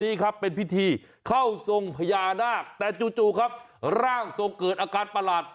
นี่ครับเป็นพิธีเข้าทรงพญานาคแต่จู่ครับร่างทรงเกิดอาการประหลาด